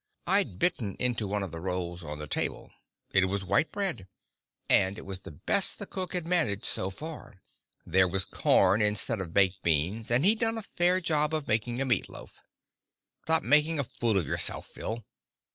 I'd bitten into one of the rolls on the table. It was white bread, and it was the best the cook had managed so far. There was corn instead of baked beans, and he'd done a fair job of making meat loaf. "Stop making a fool of yourself, Phil."